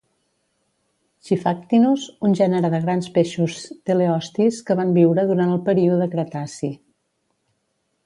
Xiphactinus un gènere de grans peixos teleostis que van viure durant el període Cretaci